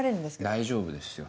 大丈夫ですよ